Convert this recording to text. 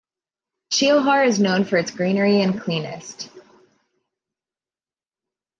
Sheohar is known for its greenery and cleanest.